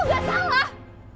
aku tuh gak salah